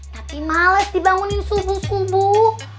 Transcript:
tapi males dibangunin subuh subuh